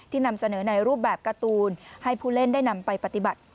นำเสนอในรูปแบบการ์ตูนให้ผู้เล่นได้นำไปปฏิบัติ